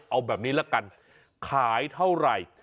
เอาแบบนี้ละกันขายเท่าไหร่